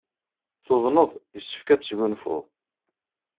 Tuḍneḍ. Yessefk ad tesgunfuḍ.